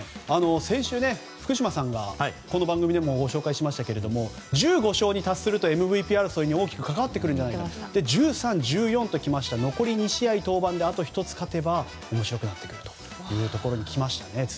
先週、この番組でもご紹介しましたけど１５勝に達するとＭＶＰ争いに大きく関わってくるんじゃないか。１３、１４と来て残り２試合であと１つ勝てば面白くなってくるというところまできましたね。